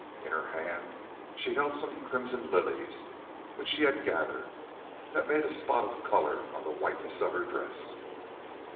In her hand she held some crimson lilies which she had gathered, that made a spot of colour on the whiteness of her dress.